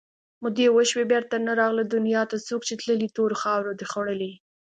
مودې وشوې بېرته نه راغله دنیا ته څوک چې تللي تورو مخاورو دي خوړلي